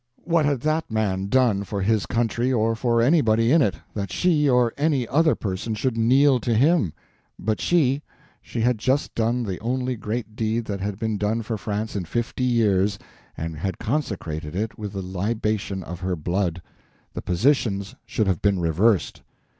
What had that man done for his country or for anybody in it, that she or any other person should kneel to him? But she—she had just done the only great deed that had been done for France in fifty years, and had consecrated it with the libation of her blood. The positions should have been reversed.